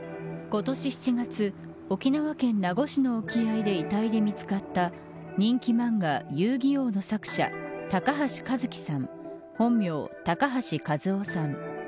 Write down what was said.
今年７月沖縄県名護市の沖合で遺体で見つかった人気漫画、遊☆戯☆王の作者高橋和希さん本名、高橋一雅さん。